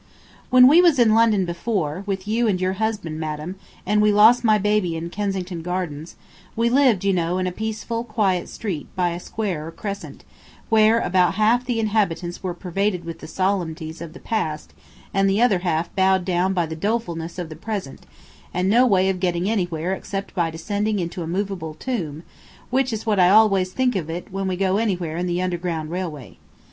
When we was in London before, with you and your husband, madam, and we lost my baby in Kensington Gardens, we lived, you know, in a peaceful, quiet street by a square or crescent, where about half the inhabitants were pervaded with the solemnities of the past and the other half bowed down by the dolefulness of the present, and no way of getting anywhere except by descending into a movable tomb, which is what I always think of when we go anywhere in the underground railway.